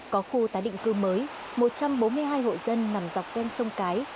có khu tái định cư mới một trăm bốn mươi hai hộ dân nằm dọc ven sông cái